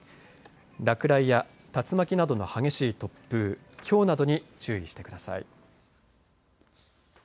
落雷や竜巻などの激しい突風、ひょうなどに注意してください。